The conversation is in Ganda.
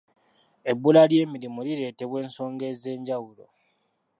Ebbula ly'emirimu lireetebwa ensonga ez'enjawulo.